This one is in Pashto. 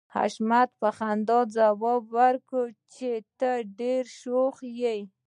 حشمتي په خندا ځواب ورکړ چې ته ډېره شوخه يې